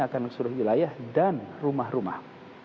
akan ke seluruh wilayah dan rumah rumah